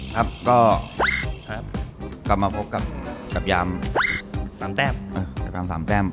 ครับก็ครับกลับมาพบกับจับยามสามแต้มเออจับยามสามแต้ม